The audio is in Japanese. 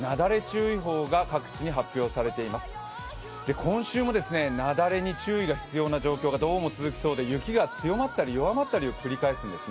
今週も雪崩に注意が必要な状況がどうも続きそうで雪が強まったり弱まったりを繰り返すんですね。